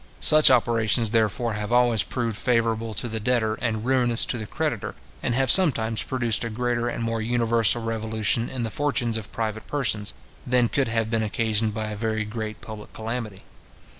Such operations, therefore, have always proved favourable to the debtor, and ruinous to the creditor, and have sometimes produced a greater and more universal revolution in the fortunes of private persons, than could have been occasioned by a very great public calamity.